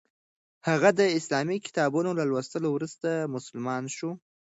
هغه د اسلامي کتابونو له لوستلو وروسته مسلمان شو.